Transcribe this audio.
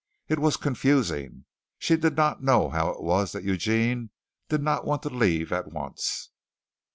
It was confusing. She did not know how it was that Eugene did not want to leave at once.